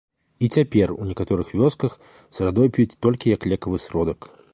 І цяпер у некаторых вёсках сырадой п'юць толькі як лекавы сродак.